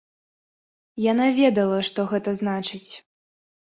Яна ведала, што гэта значыць.